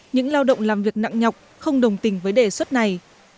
những lao động làm việc nặng nhọc không đồng tình với đề xuất này